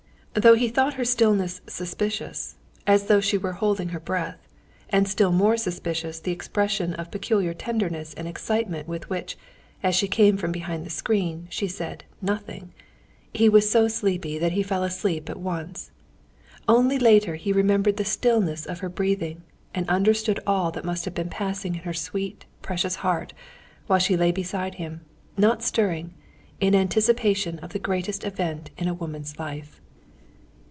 Though he thought her stillness suspicious, as though she were holding her breath, and still more suspicious the expression of peculiar tenderness and excitement with which, as she came from behind the screen, she said "nothing," he was so sleepy that he fell asleep at once. Only later he remembered the stillness of her breathing, and understood all that must have been passing in her sweet, precious heart while she lay beside him, not stirring, in anticipation of the greatest event in a woman's life.